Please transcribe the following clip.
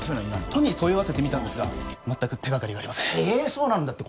都に問い合わせてみたんですが全く手がかりがありませんそうなんだって